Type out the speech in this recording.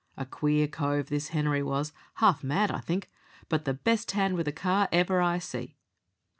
A queer cove this Henery was half mad, I think, but the best hand with a car ever I see."